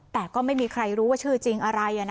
แต่ก็ไม่มีใครรู้ว่าชื่อจริงอะไร